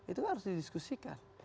itu kan harus didiskusikan